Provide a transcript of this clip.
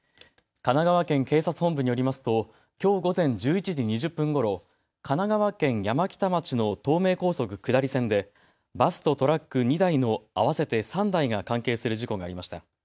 神奈川県警察本部によりますときょう午前１１時２０分ごろ神奈川県山北町の東名高速下り線でバスとトラック２台の合わせて３台が関係する事故がありました。